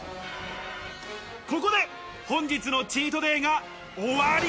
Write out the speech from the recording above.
ここで本日のチートデイは終わり。